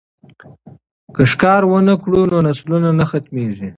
که ښکار ونه کړو نو نسلونه نه ختمیږي.